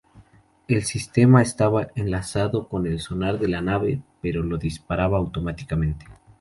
El sistema estaba enlazado con el sonar de la nave, que lo disparaba automáticamente.